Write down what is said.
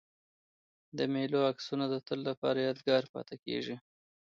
د مېلو عکسونه د تل له پاره یادګار پاته کېږي.